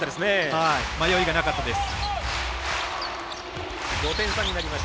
迷いがなかったです。